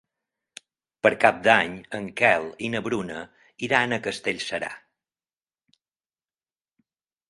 Per Cap d'Any en Quel i na Bruna iran a Castellserà.